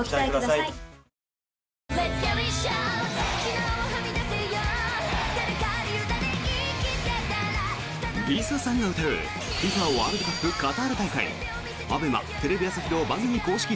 ＬｉＳＡさんが歌うＦＩＦＡワールドカップカタール大会ＡＢＥＭＡ、テレビ朝日の番組公式